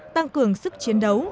tăng cường sức chiến đấu